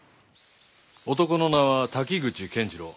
男の名は滝口謙二郎。